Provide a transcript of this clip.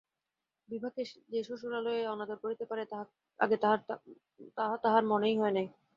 বিভাকে যে শ্বশুরালয়ে অনাদর করিতে পারে, আগে তাহা তাঁহার মনেই হয় নাই।